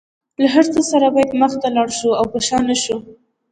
له هر څه سره باید مخ ته لاړ شو او په شا نشو.